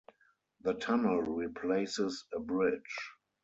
The tunnel replaces a bridge.